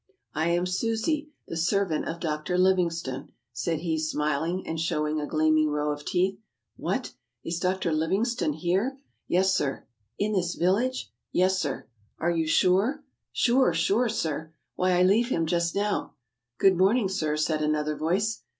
"I am Susi, the servant of Dr. Livingstone," said he, smiling, and show ing a gleaming row of teeth. "What! Is Dr. Livingstone here?" "Yes, sir." "In this village ?" "Yes, sir." " Are you sure ?" "Sure, sure, sir. Why, I leave him just now." "Good morning, sir," said another voice.